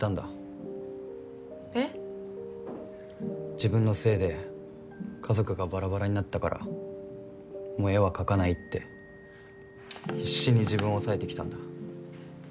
自分のせいで家族がバラバラになったからもう絵は描かないって必死に自分を抑えてきたんだ。